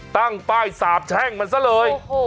ตั้งป้ายสาบแช่งมันซะเลย